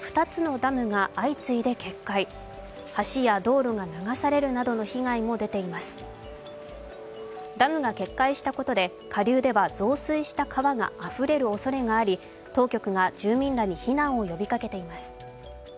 ダムが決壊したことで下流では増水した川があふれるおそれがあり当局が住民らに避難を呼びかけています。